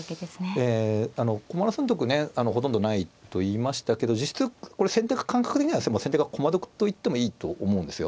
ええ駒の損得ねほとんどないと言いましたけど実質これ先手が感覚的にはもう先手が駒得と言ってもいいと思うんですよ。